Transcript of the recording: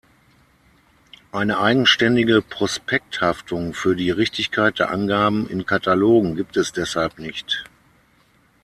Eine eigenständige Prospekthaftung für die Richtigkeit der Angaben in Katalogen gibt es deshalb nicht.